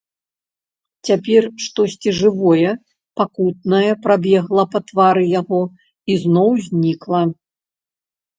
Цяпер штосьці жывое, пакутнае прабегла па твары яго і зноў знікла.